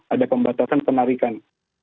ada pembatasan penarikan